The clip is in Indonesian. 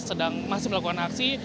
sedang masih melakukan aksi